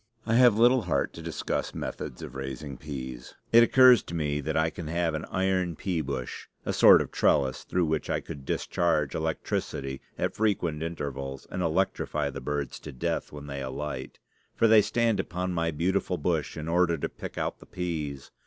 I have little heart to discuss methods of raising peas. It occurs to me that I can have an iron pea bush, a sort of trellis, through which I could discharge electricity at frequent intervals and electrify the birds to death when they alight; for they stand upon my beautiful bush in order to pick out the peas.